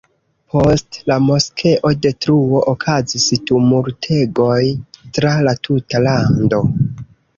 Post la moskeo-detruo okazis tumultegoj tra la tuta lando.